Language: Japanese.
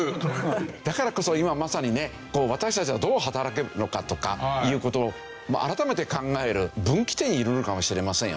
だからこそ今まさにね私たちはどう働けるのかとかいう事を改めて考える分岐点にいるのかもしれませんよね。